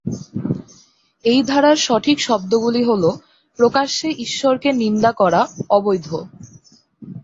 এই ধারার সঠিক শব্দগুলি হল "প্রকাশ্যে ঈশ্বরকে নিন্দা করা" অবৈধ।